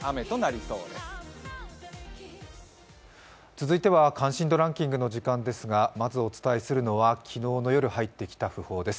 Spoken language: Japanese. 続いては「関心度ランキング」の時間ですが、まずお伝えするのは、昨日の夜入ってきた訃報です。